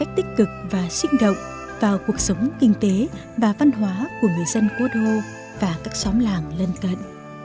tích cực và sinh động vào cuộc sống kinh tế và văn hóa của người dân quốc đô và các xóm làng lân cận